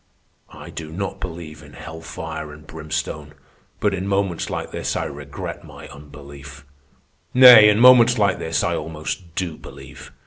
I do not believe in hell fire and brimstone; but in moments like this I regret my unbelief. Nay, in moments like this I almost do believe.